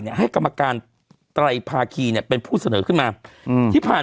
ให้กรรมการไตรภาคีเนี่ยเป็นผู้เสนอขึ้นมาอืมที่ผ่าน